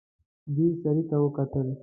دوی سړي ته وکتل.